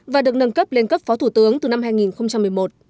và được nâng cấp lên cấp phó thủ tướng từ năm hai nghìn một mươi một